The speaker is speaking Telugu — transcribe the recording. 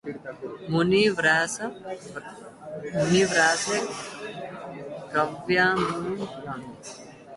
మూని వ్రాసె కావ్యములను